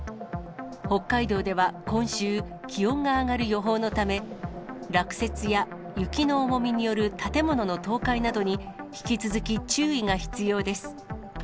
北海道では今週、気温が上がる予報のため、落雪や、雪の重みによる建物の倒壊などに、引き続き注意が必要です。